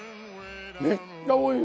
めっちゃおいしい。